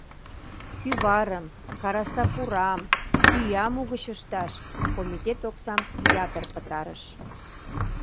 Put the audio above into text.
Кӱварым, караса пурам, пӱям угыч ышташ комитет оксам ятыр пытарыш.